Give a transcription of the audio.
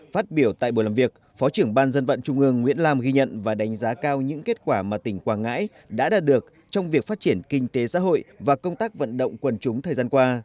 phát biểu tại buổi làm việc phó trưởng ban dân vận trung ương nguyễn lam ghi nhận và đánh giá cao những kết quả mà tỉnh quảng ngãi đã đạt được trong việc phát triển kinh tế xã hội và công tác vận động quần chúng thời gian qua